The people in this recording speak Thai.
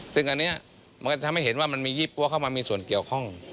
ซึ่งอันนี้มันก็ทำให้เห็นว่ามันมียี่ปั้วเข้ามามีส่วนเกี่ยวข้อง